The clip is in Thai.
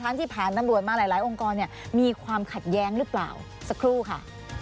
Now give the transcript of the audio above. ที่ผ่านตำรวจมาหลายองค์กรเนี่ยมีความขัดแย้งหรือเปล่าสักครู่ค่ะ